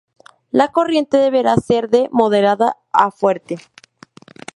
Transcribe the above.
La corriente deberá ser de moderada a fuerte.